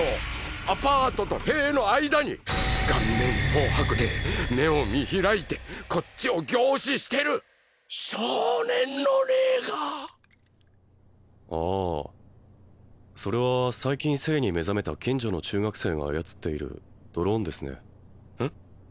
アパートと塀の間に顔面蒼白で目を見開いてこっちを凝視してる少年の霊があそれは最近性に目覚めた近所の中学生が操っているドローンですねえっ？